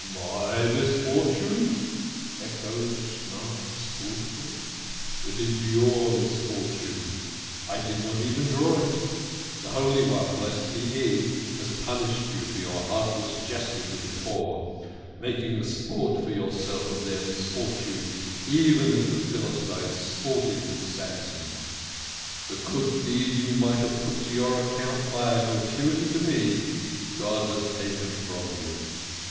" My misfortune !" echoed the Schnorrer scornfully. " It is your misfortune I did not even draw it. The Holy One, blessed be He, has punished you for your heartless 'IT STRUCK HIM ON THE BRIDGE OF THE NOSE." 10 THE KING OF SCHNORRERS. jesting with the poor making a sport for yourself of their misfortunes, even as the Philistines sported with Samson. The good deed you might have put to your account by a gratuity to me, God has taken from you.